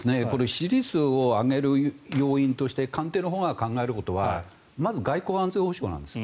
支持率を上げる要因として官邸のほうが考えることはまず外交・安全保障なんです。